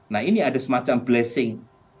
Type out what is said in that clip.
nah ini ada semacam blessing